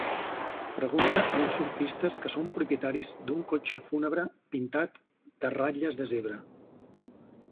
Pregunta a uns surfistes que són propietaris d'un cotxe fúnebre pintat de ratlles de zebra.